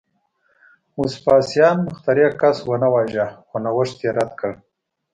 وسپاسیان مخترع کس ونه واژه، خو نوښت یې رد کړ